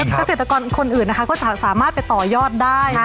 เกษตรกรคนอื่นนะคะก็จะสามารถไปต่อยอดได้